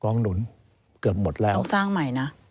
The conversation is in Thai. กองหนุนเกือบหมดแล้วต้องสร้างใหม่นะ